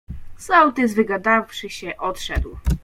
"Sołtys wygadawszy się odszedł."